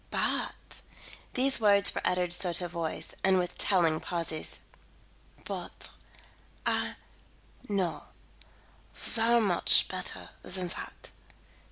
But " these words were uttered sotto voce and with telling pauses " but I know ver much better than that.